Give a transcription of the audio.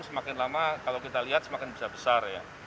semakin lama kalau kita lihat semakin besar besar ya